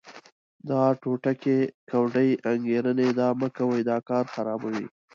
دا ټوټکې، کوډې، انګېرنې دا مه کوئ، دا کار خرابوي.